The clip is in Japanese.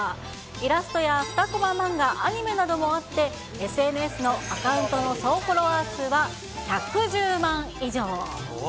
イラストや２コマ漫画、アニメなどもあって、ＳＮＳのアカウントの総フォロワー数は１１０万以上。